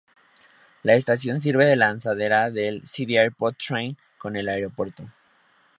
La estación sirve de lanzadera del City Airport Train con el aeropuerto.